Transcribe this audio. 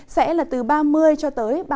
sẽ là từ ba mươi ba mươi hai độ